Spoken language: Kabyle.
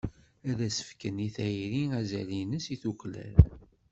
Ad as-fken i tayri azal-ines i tuklal.